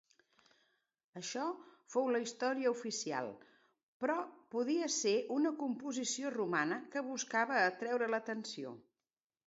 Això fou la història oficial però podia ser una composició romana que buscava atreure l'atenció.